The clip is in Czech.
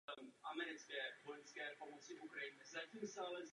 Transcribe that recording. Neměl však štěstí na olympijské kvalifikační turnaje.